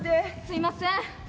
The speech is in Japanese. すいません。